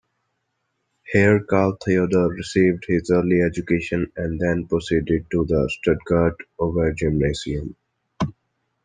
Here Karl Theodor received his early education, and then proceeded to the Stuttgart Obergymnasium.